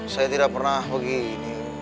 saya tidak pernah begini